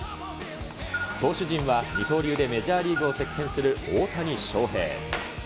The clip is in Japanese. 投手陣は、二刀流でメジャーリーグを席巻する大谷翔平。